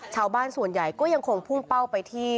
ชาวบ้านส่วนใหญ่ก็ยังคงพุ่งเป้าไปที่